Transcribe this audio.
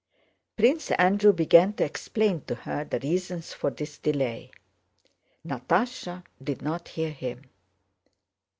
Prince Andrew began to explain to her the reasons for this delay. Natásha did not hear him.